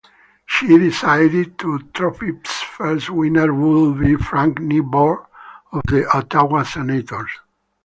She decided the trophy's first winner would be Frank Nighbor of the Ottawa Senators.